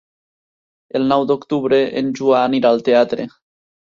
El nou d'octubre en Joan irà al teatre.